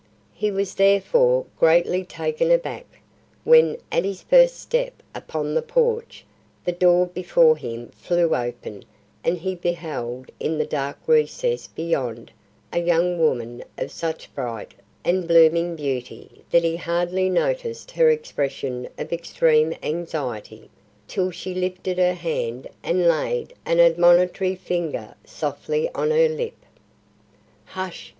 He was therefore greatly taken aback, when at his first step upon the porch, the door before him flew open and he beheld in the dark recess beyond a young woman of such bright and blooming beauty that he hardly noticed her expression of extreme anxiety, till she lifted her hand and laid an admonitory finger softly on her lip: "Hush!"